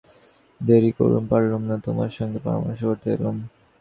দেরি করতে পারলুম না, তোমার সঙ্গে পরামর্শ করতে এলুম।